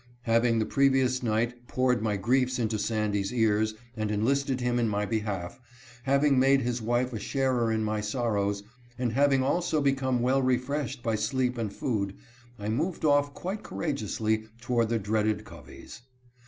Having, the previous night, poured my griefs into Sandy's ears and enlisted him in my behalf, having made his wife a sharer in my sorrows, and having also become well refreshed by sleep and food, I moved off quite courageously toward the dreaded Covey's.